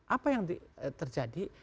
apa yang terjadi